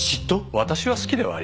私は好きではありません。